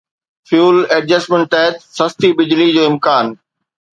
fuel adjustment تحت سستي بجلي جو امڪان